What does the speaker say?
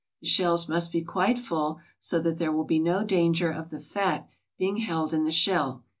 The shells must be quite full, so that there will be no danger of the fat being held in the shell.